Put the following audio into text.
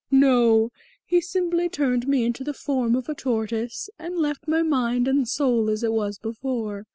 No, he simply turned me into the form of a tortoise and left my mind and soul as it was before.